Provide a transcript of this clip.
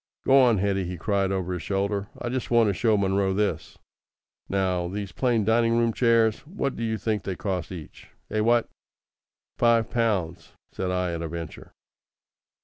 "Go on, Hetty," he cried over his shoulder. "I just want to show Munro this. Now, these plain dining room chairs, what d'you think they cost each? Eh, what?" "Five pounds," said I at a venture.